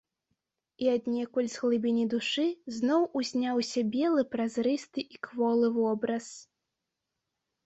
І аднекуль з глыбіні душы зноў узняўся белы, празрысты і кволы вобраз.